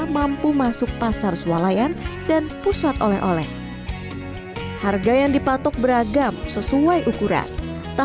mampu masuk pasar sualayan dan pusat oleh oleh harga yang dipatok beragam sesuai ukuran tak